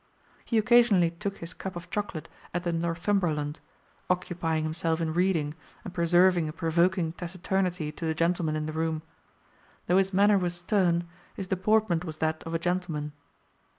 He occasionally took his cup of chocolate at the 'Northumberland,' occupying himself in reading, and preserving a provoking taciturnity to the gentlemen in the room; though his manner was stern, his deportment was that of a gentleman."